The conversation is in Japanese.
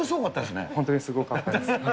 本当にすごかったですね。